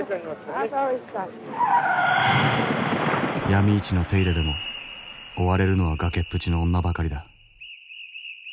ヤミ市の手入れでも追われるのは崖っぷちの女ばかりだ。